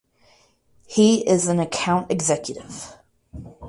He is an account executive.